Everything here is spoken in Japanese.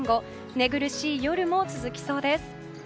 寝苦しい夜も続きそうです。